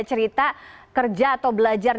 cerita kerja atau belajar